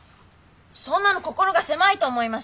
そんなの心が狭いと思います。